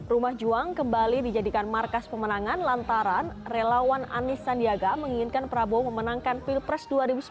rumah juang kembali dijadikan markas pemenangan lantaran relawan anies sandiaga menginginkan prabowo memenangkan pilpres dua ribu sembilan belas